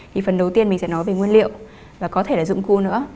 thì phần đầu tiên mình sẽ nói về nguyên liệu và có thể là dụng cụ nữa